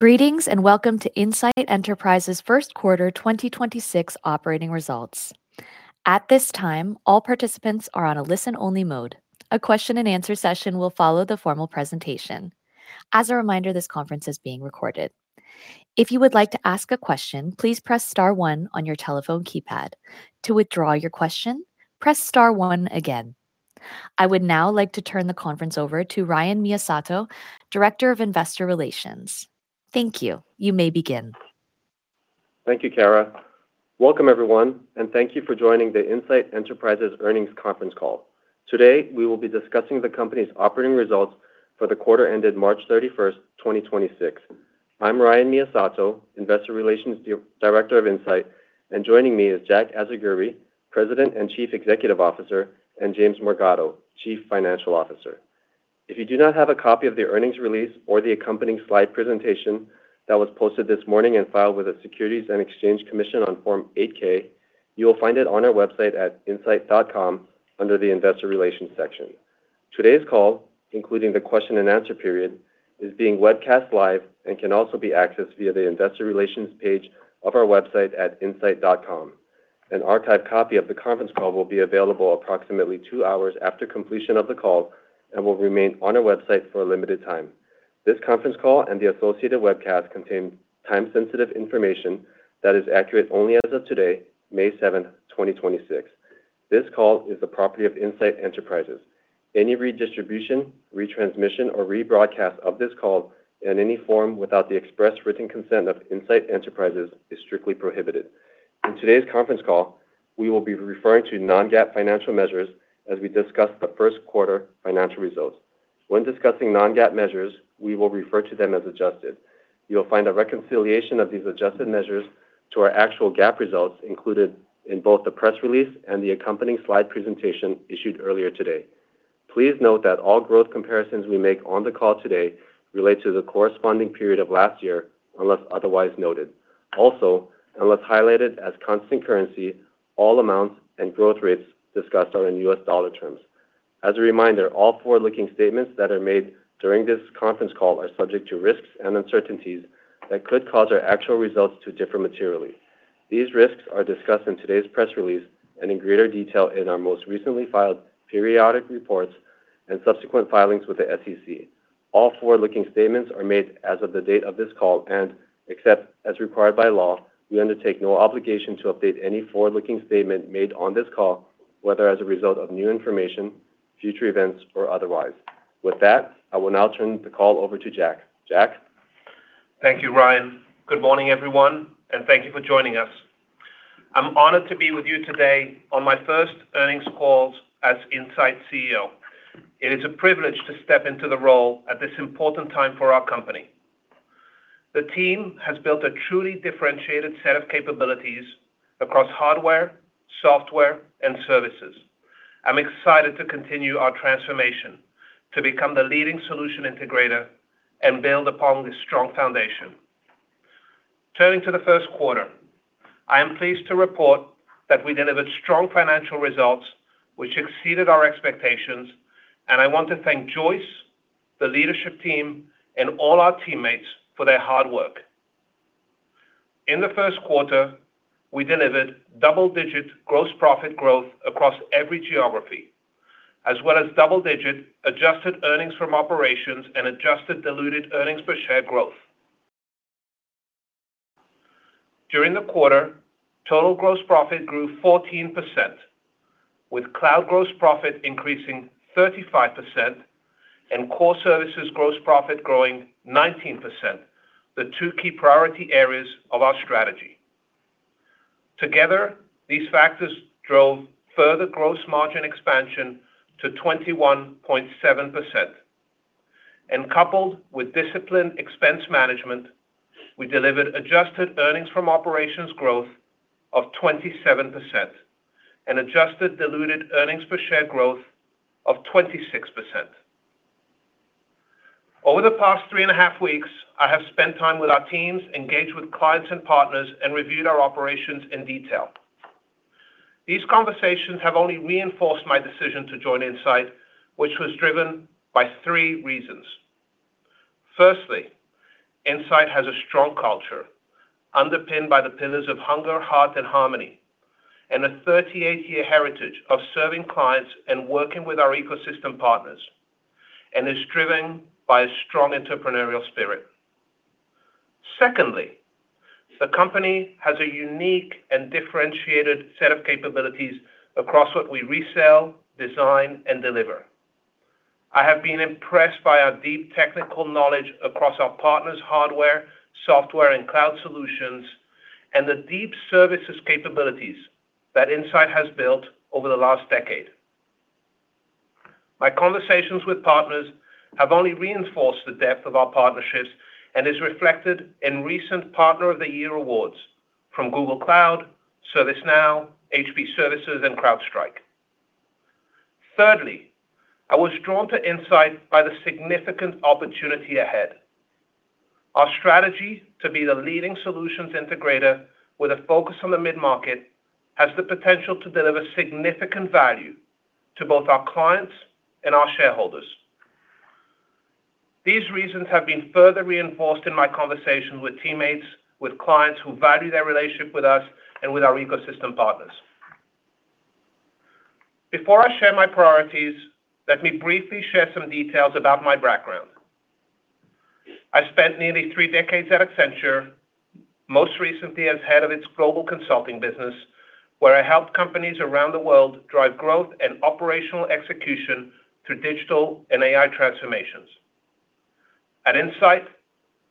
Greetings and welcome to Insight Enterprises Q1 2026 operating results. At this time, all participants are on a listen-only mode. A question and answer session will follow the formal presentation. As a reminder, this conference is being recorded. If you would like to ask a question, please press star one on your telephone keypad. To withdraw your question, press star one again. I would now like to turn the conference over to Ryan Miyasato, Director of Investor Relations. Thank you. You may begin. Thank you, Kara. Welcome everyone, thank you for joining the Insight Enterprises earnings conference call. Today, we will be discussing the company's operating results for the quarter ended 31 March 2026. I'm Ryan Miyasato, Investor Relations Director of Insight, joining me is Jack Azagury, President and Chief Executive Officer, James Morgado, Chief Financial Officer. If you do not have a copy of the earnings release or the accompanying slide presentation that was posted this morning and filed with the Securities and Exchange Commission on Form 8-K, you will find it on our website at insight.com under the Investor Relations section. Today's call, including the question and answer period, is being webcast live and can also be accessed via the Investor Relations page of our website at insight.com. An archived copy of the conference call will be available approximately two hours after completion of the call and will remain on our website for a limited time. This conference call and the associated webcast contain time-sensitive information that is accurate only as of today, 7 May 2026. This call is the property of Insight Enterprises. Any redistribution, retransmission, or rebroadcast of this call in any form without the express written consent of Insight Enterprises is strictly prohibited. In today's conference call, we will be referring to non-GAAP financial measures as we discuss the Q1 financial results. When discussing non-GAAP measures, we will refer to them as adjusted. You will find a reconciliation of these adjusted measures to our actual GAAP results included in both the press release and the accompanying slide presentation issued earlier today. Please note that all growth comparisons we make on the call today relate to the corresponding period of last year, unless otherwise noted. Also, unless highlighted as constant currency, all amounts and growth rates discussed are in U.S. dollar terms. As a reminder, all forward-looking statements that are made during this conference call are subject to risks and uncertainties that could cause our actual results to differ materially. These risks are discussed in today's press release and in greater detail in our most recently filed periodic reports and subsequent filings with the SEC. All forward-looking statements are made as of the date of this call and, except as required by law, we undertake no obligation to update any forward-looking statement made on this call, whether as a result of new information, future events, or otherwise. With that, I will now turn the call over to Jack. Jack? Thank you, Ryan. Good morning, everyone, and thank you for joining us. I'm honored to be with you today on my first earnings call as Insight CEO. It is a privilege to step into the role at this important time for our company. The team has built a truly differentiated set of capabilities across hardware, software, and services. I'm excited to continue our transformation to become the leading solution integrator and build upon this strong foundation. Turning to the Q1, I am pleased to report that we delivered strong financial results which exceeded our expectations, and I want to thank Joyce, the leadership team, and all our teammates for their hard work. In the Q1, we delivered double-digit gross profit growth across every geography, as well as double-digit adjusted earnings from operations and adjusted diluted earnings per share growth. During the quarter, total gross profit grew 14%, with cloud gross profit increasing 35% and core services gross profit growing 19%, the two key priority areas of our strategy. Together, these factors drove further gross margin expansion to 21.7%. Coupled with disciplined expense management, we delivered adjusted earnings from operations growth of 27% and adjusted diluted earnings per share growth of 26%. Over the past three and a half weeks, I have spent time with our teams, engaged with clients and partners, and reviewed our operations in detail. These conversations have only reinforced my decision to join Insight, which was driven by three reasons. Firstly, Insight has a strong culture underpinned by the pillars of hunger, heart, and harmony, and a 38-year heritage of serving clients and working with our ecosystem partners, and is driven by a strong entrepreneurial spirit. Secondly, the company has a unique and differentiated set of capabilities across what we resell, design, and deliver. I have been impressed by our deep technical knowledge across our partners' hardware, software, and cloud solutions, and the deep services capabilities that Insight has built over the last decade. My conversations with partners have only reinforced the depth of our partnerships and is reflected in recent Partner of the Year awards from Google Cloud, ServiceNow, HP Services, and CrowdStrike. Thirdly, I was drawn to Insight by the significant opportunity ahead. Our strategy to be the leading solutions integrator with a focus on the mid-market has the potential to deliver significant value to both our clients and our shareholders. These reasons have been further reinforced in my conversations with teammates, with clients who value their relationship with us, and with our ecosystem partners. Before I share my priorities, let me briefly share some details about my background. I spent nearly three decades at Accenture, most recently as head of its global consulting business, where I helped companies around the world drive growth and operational execution through digital and AI transformations. At Insight,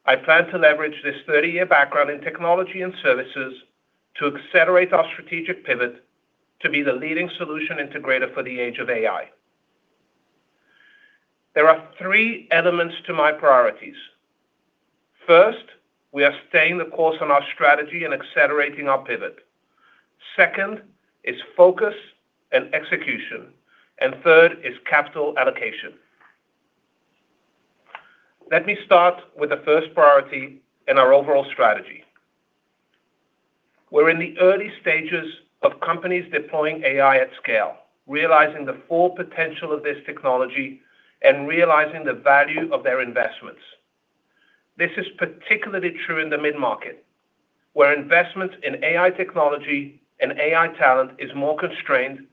I plan to leverage this 30-year background in technology and services to accelerate our strategic pivot to be the leading solution integrator for the age of AI. There are three elements to my priorities. First, we are staying the course on our strategy and accelerating our pivot. Second is focus and execution. Third is capital allocation. Let me start with the first priority and our overall strategy. We're in the early stages of companies deploying AI at scale, realizing the full potential of this technology, and realizing the value of their investments. This is particularly true in the mid-market, where investment in AI technology and AI talent is more constrained,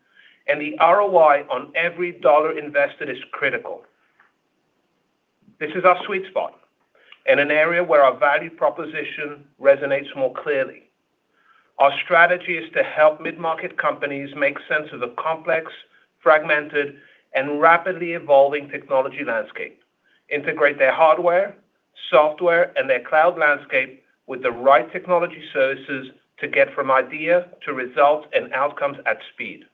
and the ROI on every dollar invested is critical. This is our sweet spot and an area where our value proposition resonates more clearly. Our strategy is to help mid-market companies make sense of the complex, fragmented, and rapidly evolving technology landscape, integrate their hardware, software, and their cloud landscape with the right technology services to get from idea to result and outcomes at speed.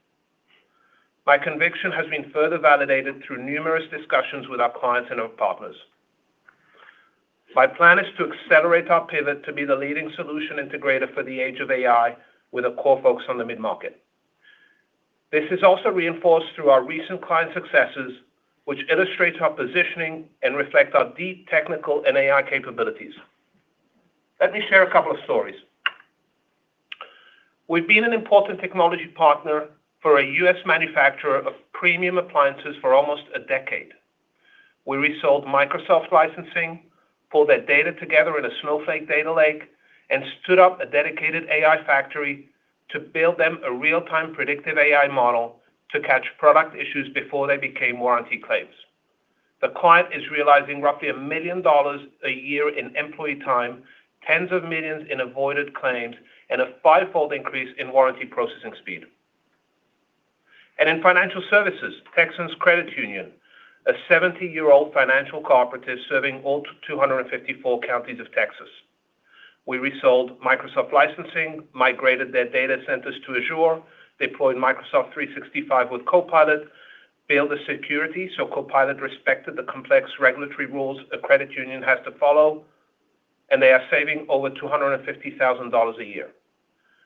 My conviction has been further validated through numerous discussions with our clients and our partners. My plan is to accelerate our pivot to be the leading solution integrator for the age of AI with a core focus on the mid-market. This is also reinforced through our recent client successes, which illustrates our positioning and reflect our deep technical and AI capabilities. Let me share a couple of stories. We've been an important technology partner for a U.S. manufacturer of premium appliances for almost a decade. We resold Microsoft licensing, pulled their data together in a Snowflake data lake, and stood up a dedicated AI factory to build them a real-time predictive AI model to catch product issues before they became warranty claims. The client is realizing roughly $1 million a year in employee time, $ tens of millions in avoided claims, and a five-fold increase in warranty processing speed. In financial services, TEXAR Federal Credit Union, a 70-year-old financial cooperative serving all 254 counties of Texas. We resold Microsoft licensing, migrated their data centers to Azure, deployed Microsoft 365 with Copilot, build the security, so Copilot respected the complex regulatory rules a credit union has to follow, and they are saving over $250,000 a year.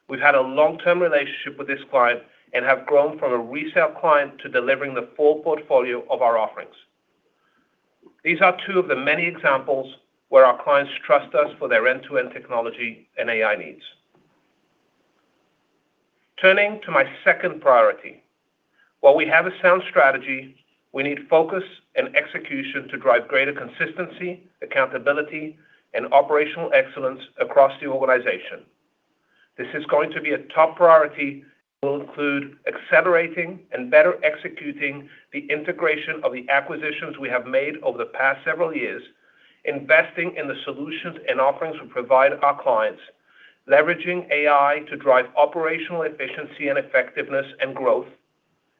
We've had a long-term relationship with this client and have grown from a resale client to delivering the full portfolio of our offerings. These are two of the many examples where our clients trust us for their end-to-end technology and AI needs. Turning to my second priority. While we have a sound strategy, we need focus and execution to drive greater consistency, accountability, and operational excellence across the organization. This is going to be a top priority that will include accelerating and better executing the integration of the acquisitions we have made over the past several years, investing in the solutions and offerings we provide our clients, leveraging AI to drive operational efficiency and effectiveness and growth,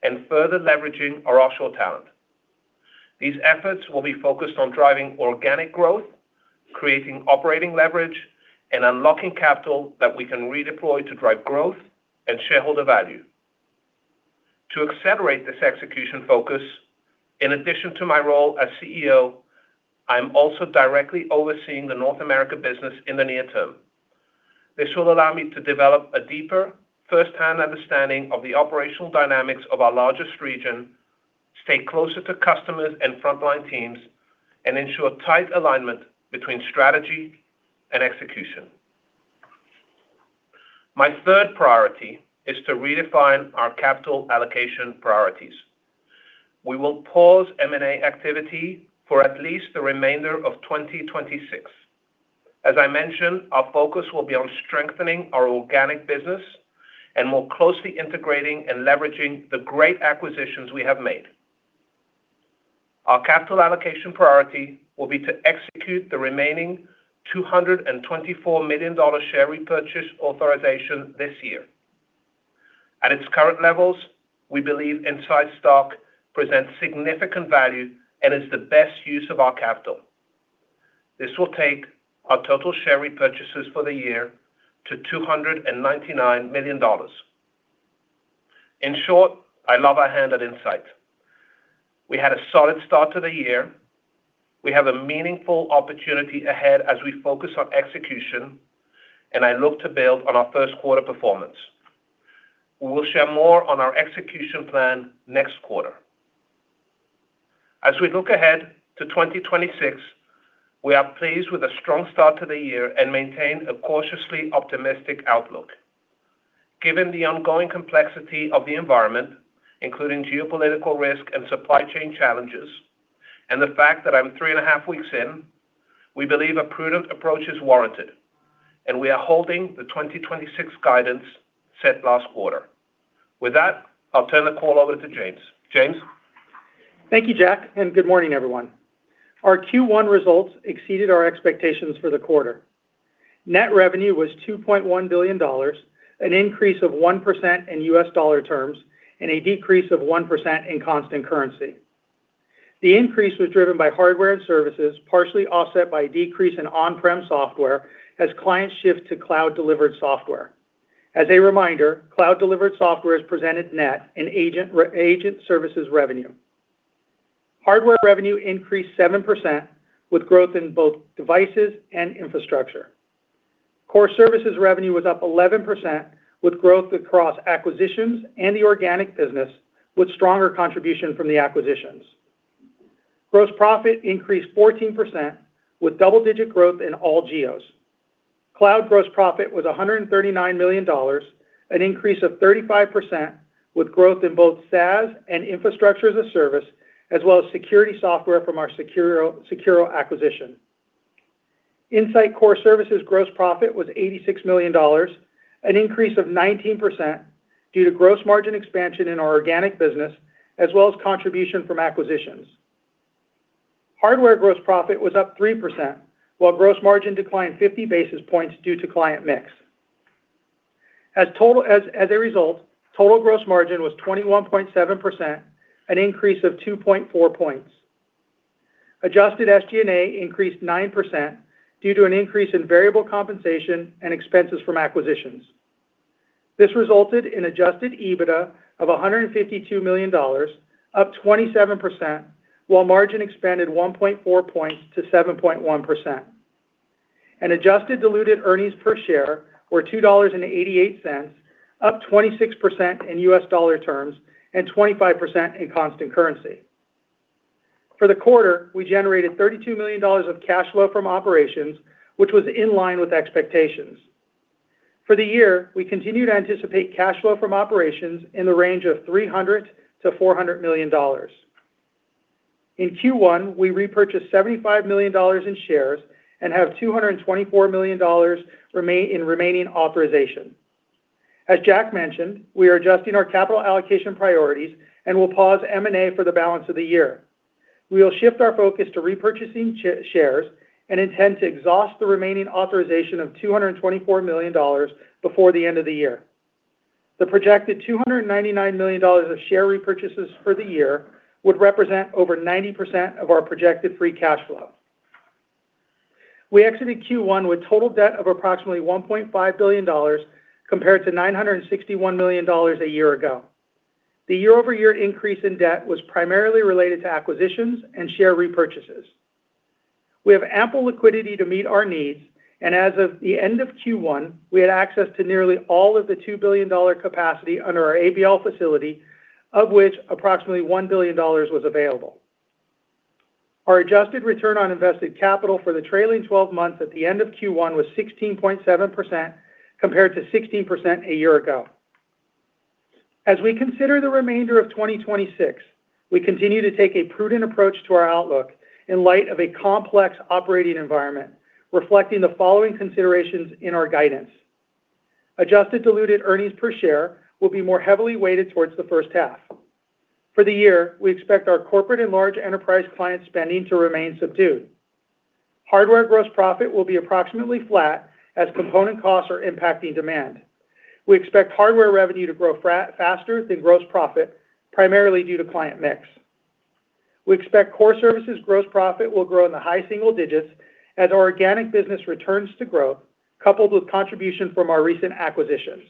and further leveraging our offshore talent. These efforts will be focused on driving organic growth, creating operating leverage, and unlocking capital that we can redeploy to drive growth and shareholder value. To accelerate this execution focus, in addition to my role as CEO, I'm also directly overseeing the North America business in the near term. This will allow me to develop a deeper first-hand understanding of the operational dynamics of our largest region, stay closer to customers and frontline teams, and ensure tight alignment between strategy and execution. My third priority is to redefine our capital allocation priorities. We will pause M&A activity for at least the remainder of 2026. As I mentioned, our focus will be on strengthening our organic business and more closely integrating and leveraging the great acquisitions we have made. Our capital allocation priority will be to execute the remaining $224 million share repurchase authorization this year. At its current levels, we believe Insight stock presents significant value and is the best use of our capital. This will take our total share repurchases for the year to $299 million. In short, I love our hand at Insight. We had a solid start to the year. We have a meaningful opportunity ahead as we focus on execution, and I look to build on our Q1 performance. We will share more on our execution plan next quarter. As we look ahead to 2026, we are pleased with a strong start to the year and maintain a cautiously optimistic outlook. Given the ongoing complexity of the environment, including geopolitical risk and supply chain challenges, and the fact that I'm three and a half weeks in, we believe a prudent approach is warranted, and we are holding the 2026 guidance set last quarter. With that, I'll turn the call over to James. James? Thank you, Jack, and good morning, everyone. Our Q1 results exceeded our expectations for the quarter. Net revenue was $2.1 billion, an increase of 1% in US dollar terms and a decrease of 1% in constant currency. The increase was driven by hardware and services, partially offset by a decrease in on-prem software as clients shift to cloud-delivered software. As a reminder, cloud-delivered software is presented net in agent services revenue. Hardware revenue increased 7% with growth in both devices and infrastructure. Core services revenue was up 11% with growth across acquisitions and the organic business with stronger contribution from the acquisitions. Gross profit increased 14% with double-digit growth in all geos. Cloud gross profit was $139 million, an increase of 35% with growth in both SaaS and Infrastructure as a Service, as well as security software from our Sekuro acquisition. Insight Core Services gross profit was $86 million, an increase of 19% due to gross margin expansion in our organic business as well as contribution from acquisitions. Hardware gross profit was up 3%, while gross margin declined 50 basis points due to client mix. As a result, total gross margin was 21.7%, an increase of 2.4 points. Adjusted SG&A increased 9% due to an increase in variable compensation and expenses from acquisitions. This resulted in adjusted EBITDA of $152 million, up 27%, while margin expanded 1.4 points to 7.1%. Adjusted diluted earnings per share were $2.88, up 26% in U.S. dollar terms and 25% in constant currency. For the quarter, we generated $32 million of cash flow from operations, which was in line with expectations. For the year, we continue to anticipate cash flow from operations in the range of $300 million-$400 million. In Q1, we repurchased $75 million in shares and have $224 million in remaining authorization. As Jack mentioned, we are adjusting our capital allocation priorities and will pause M&A for the balance of the year. We will shift our focus to repurchasing shares and intend to exhaust the remaining authorization of $224 million before the end of the year. The projected $299 million of share repurchases for the year would represent over 90% of our projected free cash flow. We exited Q1 with total debt of approximately $1.5 billion compared to $961 million a year ago. The year-over-year increase in debt was primarily related to acquisitions and share repurchases. We have ample liquidity to meet our needs, and as of the end of Q1, we had access to nearly all of the $2 billion capacity under our ABL facility, of which approximately $1 billion was available. Our adjusted return on invested capital for the trailing 12 months at the end of Q1 was 16.7% compared to 16% a year ago. As we consider the remainder of 2026, we continue to take a prudent approach to our outlook in light of a complex operating environment, reflecting the following considerations in our guidance. Adjusted diluted earnings per share will be more heavily weighted towards the H1. For the year, we expect our corporate and large enterprise client spending to remain subdued. Hardware gross profit will be approximately flat as component costs are impacting demand. We expect hardware revenue to grow faster than gross profit, primarily due to client mix. We expect core services gross profit will grow in the high single digits as our organic business returns to growth, coupled with contribution from our recent acquisitions.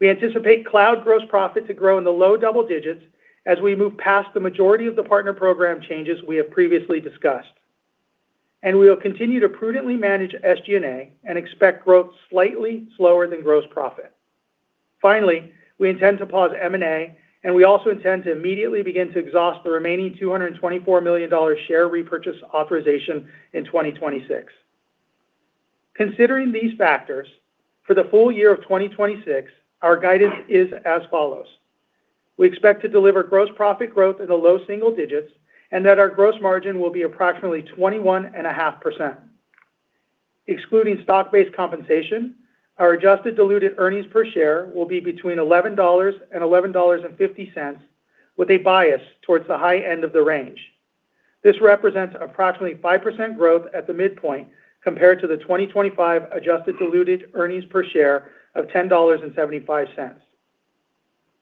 We anticipate cloud gross profit to grow in the low double digits as we move past the majority of the partner program changes we have previously discussed. We will continue to prudently manage SG&A and expect growth slightly slower than gross profit. Finally, we intend to pause M&A, and we also intend to immediately begin to exhaust the remaining $224 million share repurchase authorization in 2026. Considering these factors, for the full year of 2026, our guidance is as follows: We expect to deliver gross profit growth in the low single digits and that our gross margin will be approximately 21.5%. Excluding stock-based compensation, our adjusted diluted earnings per share will be between $11 and $11.50, with a bias towards the high end of the range. This represents approximately 5% growth at the midpoint compared to the 2025 adjusted diluted earnings per share of $10.75.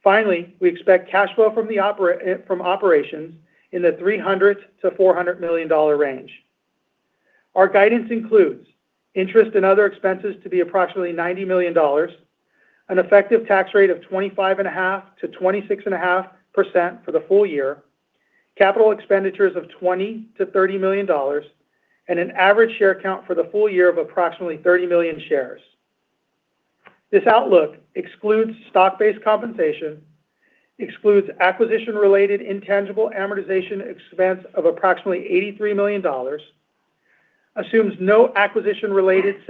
Finally, we expect cash flow from operations in the $300 million-$400 million range. Our guidance includes interest and other expenses to be approximately $90 million, an effective tax rate of 25.5%-26.5% for the full year, capital expenditures of $20 million-$30 million, and an average share count for the full year of approximately 30 million shares. This outlook excludes stock-based compensation, excludes acquisition-related intangible amortization expense of approximately $83 million, assumes no acquisition-related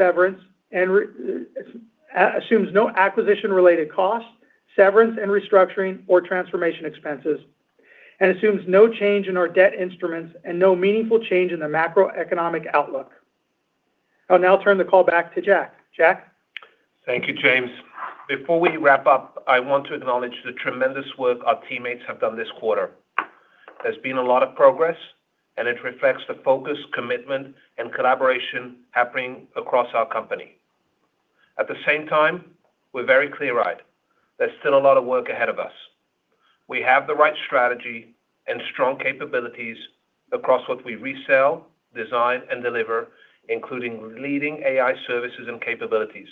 costs, severance and restructuring or transformation expenses, and assumes no change in our debt instruments and no meaningful change in the macroeconomic outlook. I'll now turn the call back to Jack. Jack? Thank you, James. Before we wrap up, I want to acknowledge the tremendous work our teammates have done this quarter. There's been a lot of progress, and it reflects the focus, commitment, and collaboration happening across our company. At the same time, we're very clear-eyed. There's still a lot of work ahead of us. We have the right strategy and strong capabilities across what we resell, design, and deliver, including leading AI services and capabilities.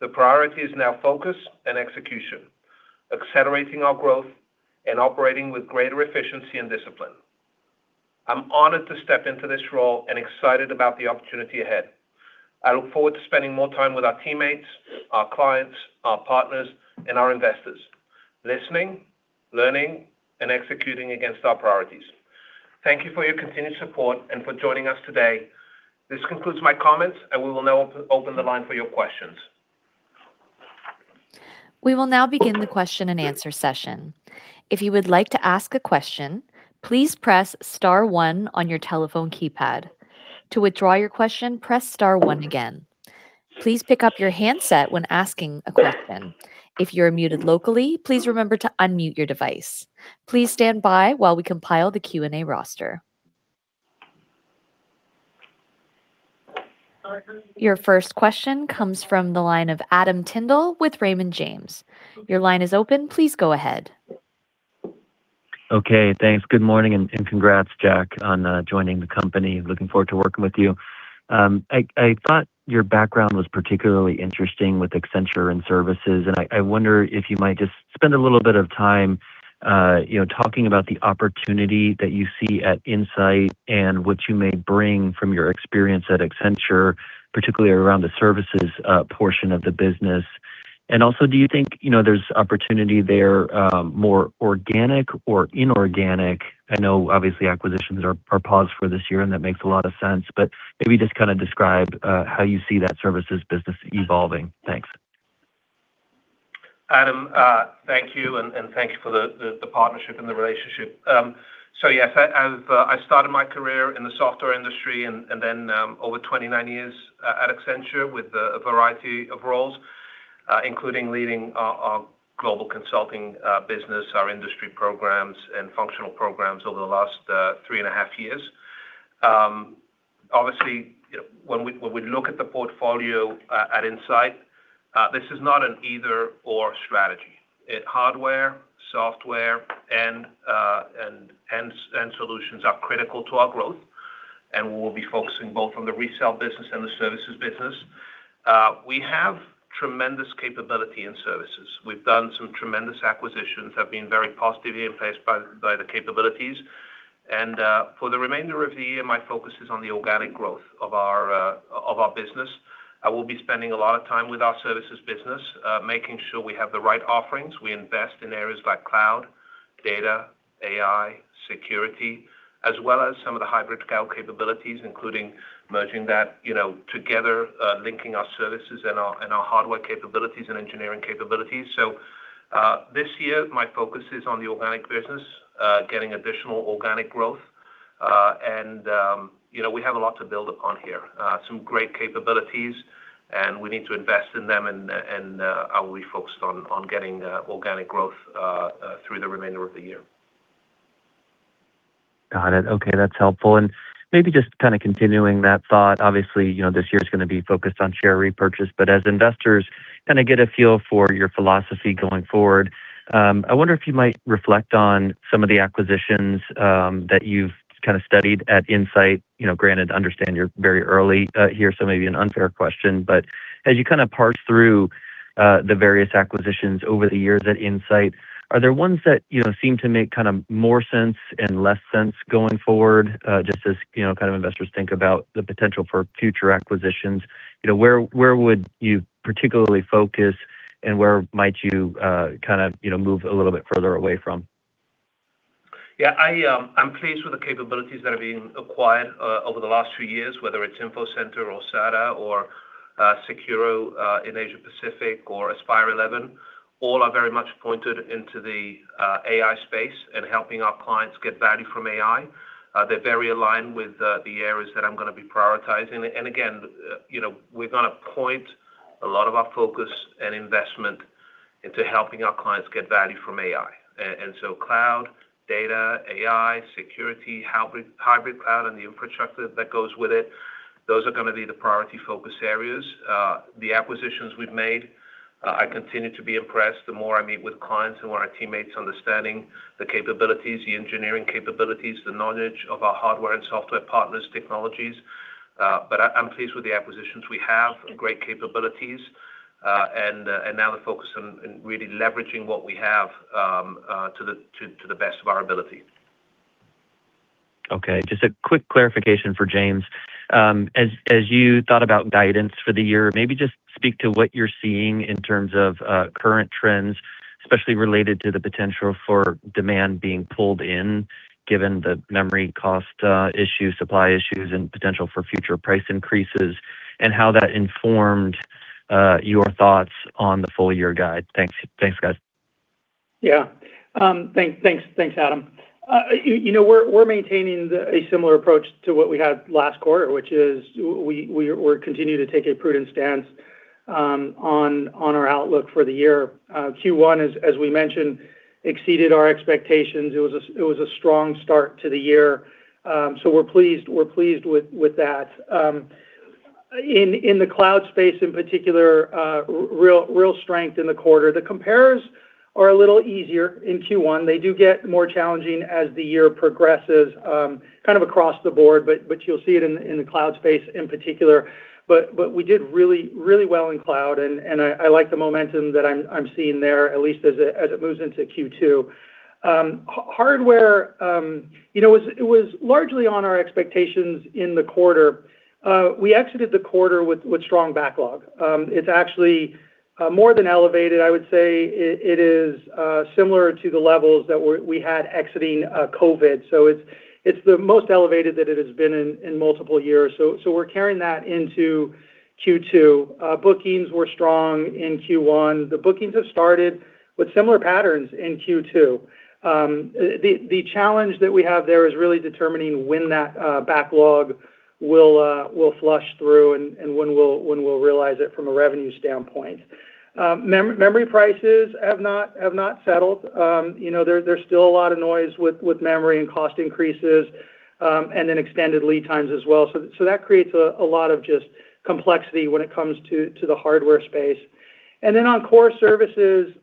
The priority is now focus and execution, accelerating our growth and operating with greater efficiency and discipline. I'm honored to step into this role and excited about the opportunity ahead. I look forward to spending more time with our teammates, our clients, our partners, and our investors, listening, learning, and executing against our priorities. Thank you for your continued support and for joining us today. This concludes my comments, and we will now open the line for your questions. We will now begin the question and answer session. If you would like to ask a question, please press star one on your telephone keypad. To withdraw your question, press star one again. Please pick up your handset when asking a question. If you're muted locally, please remember to unmute your device. Please stand by while we compile the Q&A roster. Your first question comes from the line of Adam Tindle with Raymond James. Your line is open. Please go ahead. Okay, thanks. Good morning, and congrats, Jack, on joining the company. Looking forward to working with you. I thought your background was particularly interesting with Accenture and services, and I wonder if you might just spend a little bit of time, you know, talking about the opportunity that you see at Insight and what you may bring from your experience at Accenture, particularly around the services portion of the business. Also, do you think, you know, there's opportunity there, more organic or inorganic? I know obviously acquisitions are paused for this year, and that makes a lot of sense. Maybe just kinda describe how you see that services business evolving. Thanks. Adam, thank you, and thank you for the partnership and the relationship. Yes, I've started my career in the software industry, then over 29 years at Accenture with a variety of roles, including leading our global consulting business, our industry programs and functional programs over the last three and a half years. Obviously, you know, when we look at the portfolio at Insight, this is not an either/or strategy. IT hardware, software and solutions are critical to our growth, we'll be focusing both on the resale business and the services business. We have tremendous capability in services. We've done some tremendous acquisitions, have been very positively impressed by the capabilities. For the remainder of the year, my focus is on the organic growth of our business. I will be spending a lot of time with our services business, making sure we have the right offerings. We invest in areas like cloud, data, AI, security, as well as some of the hybrid scale capabilities, including merging that, you know, together, linking our services and our hardware capabilities and engineering capabilities. This year, my focus is on the organic business, getting additional organic growth. You know, we have a lot to build upon here. Some great capabilities, and we need to invest in them and I will be focused on getting organic growth through the remainder of the year. Got it. Okay, that's helpful. Maybe just kinda continuing that thought, obviously, you know, this year's gonna be focused on share repurchase, but as investors kinda get a feel for your philosophy going forward, I wonder if you might reflect on some of the acquisitions that you've kinda studied at Insight. You know, granted, understand you're very early here, so it may be an unfair question. As you kinda parse through the various acquisitions over the years at Insight, are there ones that, you know, seem to make kind of more sense and less sense going forward? Just as, you know, kind of investors think about the potential for future acquisitions, you know, where would you particularly focus and where might you, kinda, you know, move a little bit further away from? I'm pleased with the capabilities that are being acquired over the last few years, whether it's InfoCenter or SADA or Sekuro in Asia Pacific or Inspire11. All are very much pointed into the AI space and helping our clients get value from AI. They're very aligned with the areas that I'm gonna be prioritizing. Again, you know, we're gonna point a lot of our focus and investment into helping our clients get value from AI. So cloud, data, AI, security, hybrid cloud, and the infrastructure that goes with it, those are gonna be the priority focus areas. The acquisitions we've made, I continue to be impressed the more I meet with clients and with our teammates understanding the capabilities, the engineering capabilities, the knowledge of our hardware and software partners' technologies. I'm pleased with the acquisitions we have. Great capabilities, now the focus on really leveraging what we have. Okay. Just a quick clarification for James. As you thought about guidance for the year, maybe just speak to what you're seeing in terms of current trends, especially related to the potential for demand being pulled in, given the memory cost issue, supply issues, and potential for future price increases, and how that informed your thoughts on the full year guide. Thanks, guys. Yeah. Thanks, Adam. You know, we're maintaining a similar approach to what we had last quarter, which is we're continuing to take a prudent stance on our outlook for the year. Q1 as we mentioned, exceeded our expectations. It was a strong start to the year. We're pleased with that. In the cloud space in particular, real strength in the quarter. The compares are a little easier in Q1. They do get more challenging as the year progresses, kind of across the board, but you'll see it in the cloud space in particular. We did really, really well in cloud and I like the momentum that I'm seeing there, at least as it moves into Q2. Hardware, you know, it was largely on our expectations in the quarter. We exited the quarter with strong backlog. It's actually more than elevated. I would say it is similar to the levels that we had exiting COVID. It's the most elevated that it has been in multiple years. We're carrying that into Q2. Bookings were strong in Q1. The bookings have started with similar patterns in Q2. The challenge that we have there is really determining when that backlog will flush through and when we'll realize it from a revenue standpoint. Memory prices have not settled. You know, there's still a lot of noise with memory and cost increases, and extended lead times as well. That creates a lot of just complexity when it comes to the hardware space. On core services,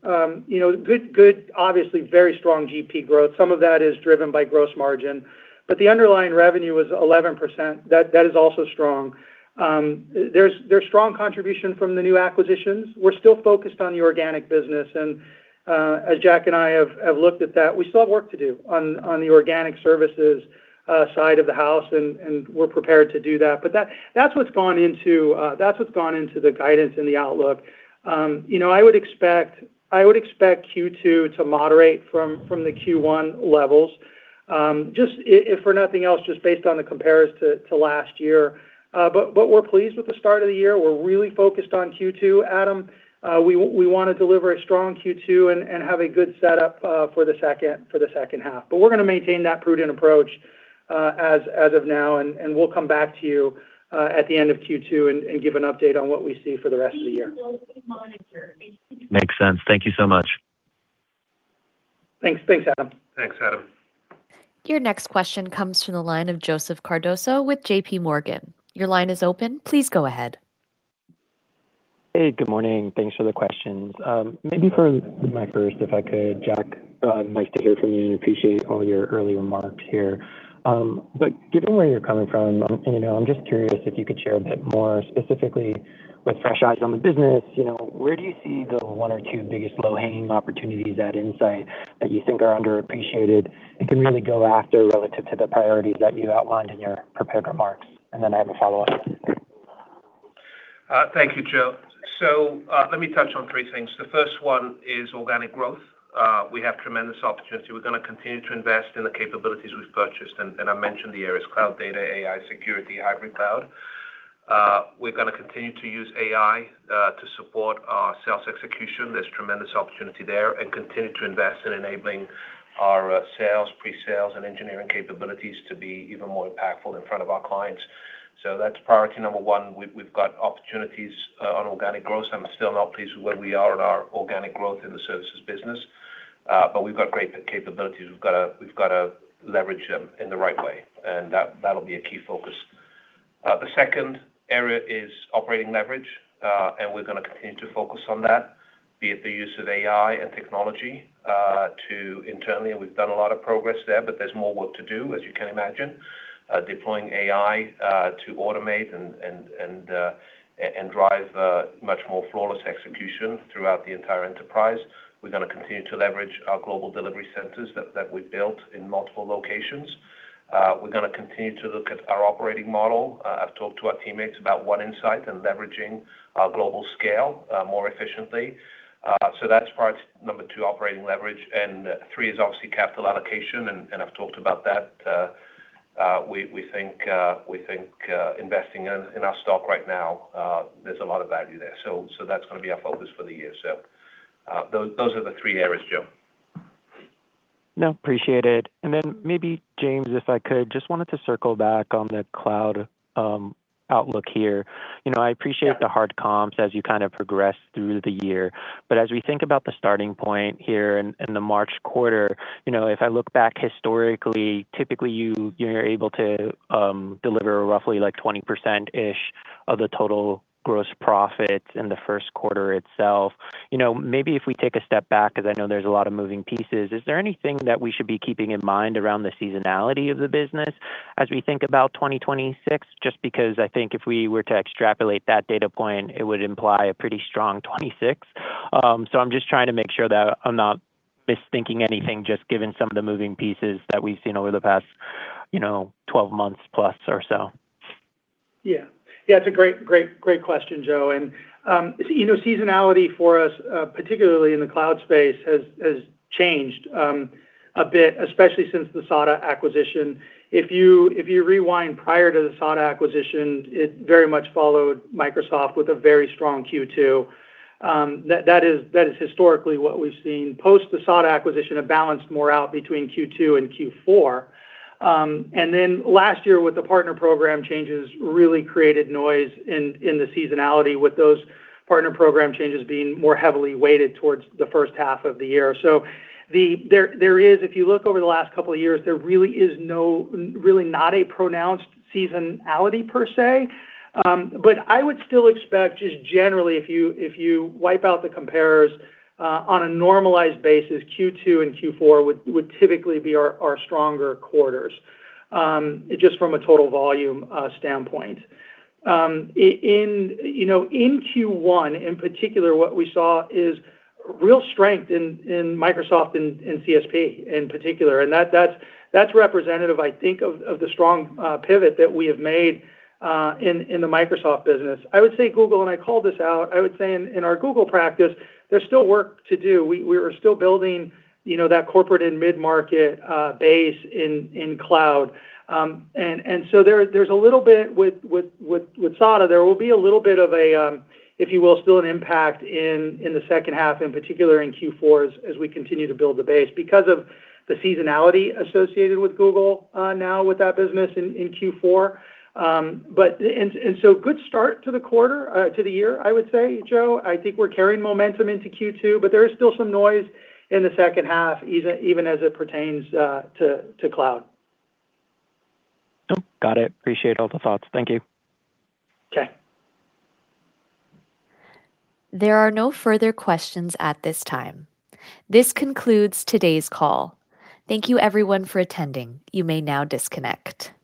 you know, obviously very strong GP growth. Some of that is driven by gross margin, the underlying revenue was 11%. That is also strong. There's strong contribution from the new acquisitions. We're still focused on the organic business. As Jack and I have looked at that, we still have work to do on the organic services side of the house and we're prepared to do that. That's what's gone into the guidance and the outlook. You know, I would expect Q2 to moderate from the Q1 levels, if for nothing else, just based on the compares to last year. We're pleased with the start of the year. We're really focused on Q2, Adam. We wanna deliver a strong Q2 and have a good setup for the H2. We're gonna maintain that prudent approach as of now, and we'll come back to you at the end of Q2 and give an update on what we see for the rest of the year. Makes sense. Thank you so much. Thanks. Thanks, Adam. Thanks, Adam. Your next question comes from the line of Joseph Cardoso with JPMorgan. Your line is open. Please go ahead. Hey, good morning. Thanks for the questions. Maybe for my first, if I could, Jack, I'd like to hear from you and appreciate all your early remarks here. But given where you're coming from, you know, I'm just curious if you could share a bit more specifically with fresh eyes on the business, you know, where do you see the one or two biggest low-hanging opportunities at Insight that you think are underappreciated and can really go after relative to the priorities that you outlined in your prepared remarks? Then I have a follow-up. Thank you, Jo. Let me touch on three things. The first one is organic growth. We have tremendous opportunity. We're gonna continue to invest in the capabilities we've purchased, and I mentioned the areas, cloud data, AI, security, hybrid cloud. We're gonna continue to use AI to support our sales execution. There's tremendous opportunity there, and continue to invest in enabling our sales, pre-sales, and engineering capabilities to be even more impactful in front of our clients. That's priority number one. We've got opportunities on organic growth. I'm still not pleased with where we are at our organic growth in the services business, but we've got great capabilities. We've got to leverage them in the right way, and that'll be a key focus. The second area is operating leverage, and we're gonna continue to focus on that. Be it the use of AI and technology, to internally, and we've done a lot of progress there, but there's more work to do, as you can imagine. Deploying AI, to automate and drive much more flawless execution throughout the entire enterprise. We're gonna continue to leverage our global delivery centers that we've built in multiple locations. We're gonna continue to look at our operating model. I've talked to our teammates about what Insight and leveraging our global scale, more efficiently. So that's part number two, operating leverage. Three is obviously capital allocation, and I've talked about that. We think, investing in our stock right now, there's a lot of value there. That's gonna be our focus for the year. Those are the three areas, Jo. Appreciate it. Maybe James, if I could, just wanted to circle back on the cloud outlook here. the hard comps as you kind of progress through the year. As we think about the starting point here in the March quarter, you know, if I look back historically, typically, you're able to deliver roughly like 20%-ish of the total gross profit in the Q1 itself. You know, maybe if we take a step back, because I know there's a lot of moving pieces, is there anything that we should be keeping in mind around the seasonality of the business as we think about 2026? Because I think if we were to extrapolate that data point, it would imply a pretty strong 2026. I'm just trying to make sure that I'm not misthinking anything, just given some of the moving pieces that we've seen over the past, you know, 12 months plus or so. Yeah. Yeah, it's a great question, Jo. You know, seasonality for us, particularly in the cloud space has changed a bit, especially since the SADA acquisition. If you rewind prior to the SADA acquisition, it very much followed Microsoft with a very strong Q2. That is historically what we've seen. Post the SADA acquisition have balanced more out between Q2 and Q4. Last year with the partner program changes really created noise in the seasonality with those partner program changes being more heavily weighted towards the H1 of the year. There is, if you look over the last couple of years, there really not a pronounced seasonality per se. I would still expect just generally if you, if you wipe out the comparers, on a normalized basis, Q2 and Q4 would typically be our stronger quarters, just from a total volume standpoint. In, you know, in Q1, in particular, what we saw is real strength in Microsoft in CSP in particular. That's representative, I think of the strong pivot that we have made in the Microsoft business. I would say Google, and I called this out, I would say in our Google practice, there's still work to do. We are still building, you know, that corporate and mid-market base in cloud. So there's a little bit with SADA, there will be a little bit of a, if you will, still an impact in the H2, in particular in Q4 as we continue to build the base because of the seasonality associated with Google, now with that business in Q4. So good start to the year, I would say, Joseph Cardoso. I think we're carrying momentum into Q2, but there is still some noise in the H2, even as it pertains to cloud. Oh, got it. Appreciate all the thoughts. Thank you. Okay. There are no further questions at this time. This concludes today's call. Thank you everyone for attending. You may now disconnect.